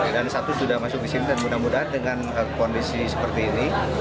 dan satu sudah masuk disini dan mudah mudahan dengan kondisi seperti ini